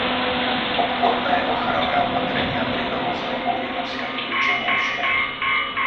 Obchodné ochranné opatrenia pri dovoze obuvi musia byť účinnejšie.